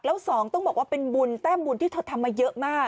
แล้วสองต้องบอกว่าเป็นบุญแต้มบุญที่เธอทำมาเยอะมาก